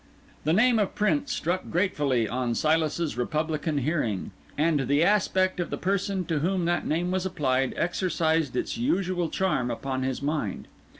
The name of Prince struck gratefully on Silas's Republican hearing, and the aspect of the person to whom that name was applied exercised its usual charm upon his mind.